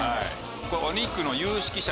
お肉の有識者